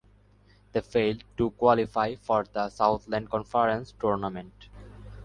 They failed to qualify for the Southland Conference Tournament.